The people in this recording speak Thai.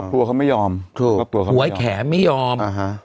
ครับครับปัวเขาไม่ยอม